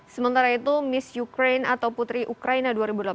sementara itu miss ukraine atau putri ukraina dua ribu delapan belas